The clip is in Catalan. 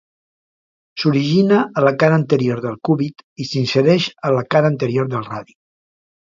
S'origina a la cara anterior del cúbit i s'insereix a la cara anterior del radi.